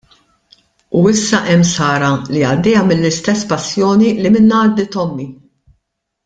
U issa hemm Sara li għaddejja mill-istess passjoni li minnha għaddiet ommi.